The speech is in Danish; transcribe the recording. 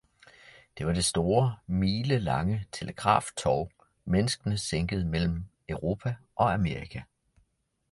det var det store, milelange telegraftov, menneskene sænkede mellem Europa og Amerika.